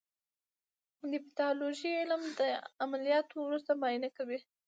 د پیتالوژي علم د عملیاتو وروسته معاینه کوي.